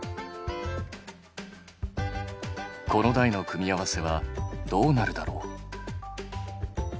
子の代の組み合わせはどうなるだろう？